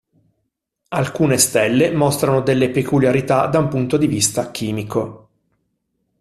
Alcune stelle mostrano delle peculiarità da un punto di vista chimico.